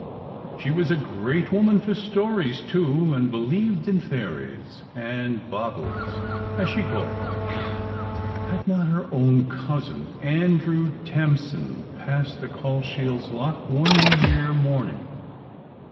She was a great woman for stories, too, and believed in fairies, and "bogles," as she called them. Had not her own cousin, Andrew Tamson, passed the Cauldshiels Loch one New Year morning?